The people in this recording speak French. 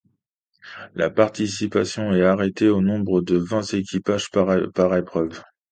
La participation est arrêtée au nombre de vingt équipages par épreuve.